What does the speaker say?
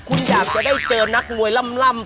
คุณอยากจะได้เจอนักมวยล่ำ